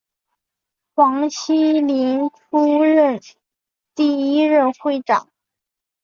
黄锡麟出任第一任会长。